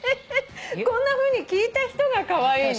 こんなふうに聞いた人がカワイイね。